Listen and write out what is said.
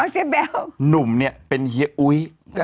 เจ๊แบวหนุ่มเนี่ยเป็นเฮียอุ้ย